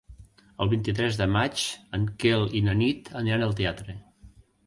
El vint-i-tres de maig en Quel i na Nit aniran al teatre.